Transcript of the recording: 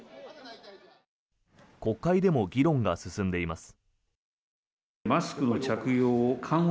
国会でも議論が進んでいます。